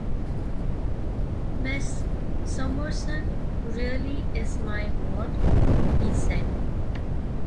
"Miss Summerson really is my ward," he said.